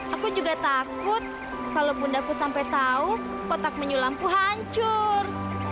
aku juga takut kalau bundaku sampai tahu kotak menyulamku hancur